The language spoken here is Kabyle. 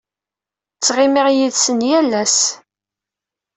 Ttɣimiɣ yid-sen yal ass.